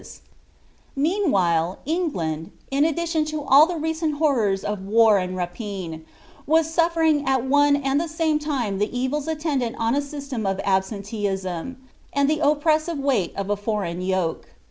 * Meanwhile, EiigUiiU, in addition to all the recent horrora of "4rmid rapine, wna suHeriug at one and the same time the evils atienil aai on a system of aliscriteeism, and the oppressive weight of a foreign irokt